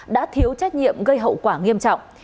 đã thiếu trách nhiệm gây hậu quả nghiêm trọng